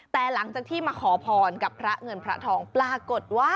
แต่หลังจากที่มาขอพรกับพระเงินพระทองปรากฏว่า